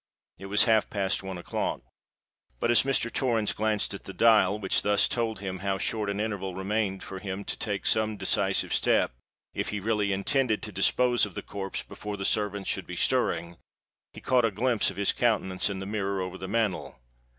It was half past one o'clock. But as Mr. Torrens glanced at the dial, which thus told him how short an interval remained for him to take some decisive step, if he really intended to dispose of the corpse before the servants should be stirring, he caught a glimpse of his countenance in the mirror over the mantel.